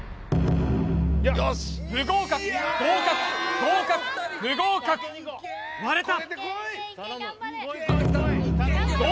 不合格合格合格不合格割れた！